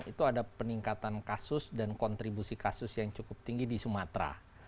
itu ada peningkatan kasus dan kontribusi kasus yang cukup tinggi di sumatera